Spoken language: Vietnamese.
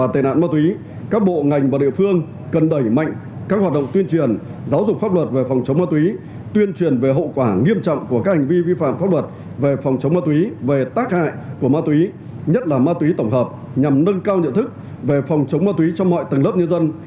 theo nhận thức về phòng chống ma túy trong mọi tầng lớp nhân dân